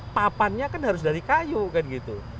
papannya kan harus dari kayu kan gitu